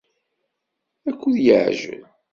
Akud yeεjel